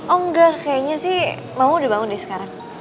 oh enggak kayanya sih mama udah bangun deh sekarang